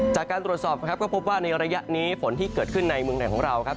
จากการตรวจสอบครับก็พบว่าในระยะนี้ฝนที่เกิดขึ้นในเมืองไหนของเราครับ